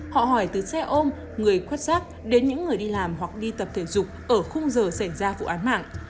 họ hỏi từ xe ôm người khuất sắc đến những người đi làm hoặc đi tập thể dục ở khung giờ xảy ra vụ án mạng